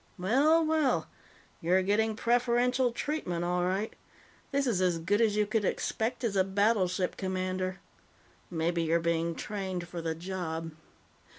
"Well, well. You're getting preferential treatment, all right. This is as good as you could expect as a battleship commander. Maybe you're being trained for the job."